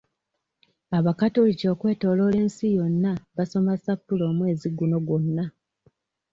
Abakatoliki okwetooloola nsi yonna basoma ssappule omwezi guno gwonna.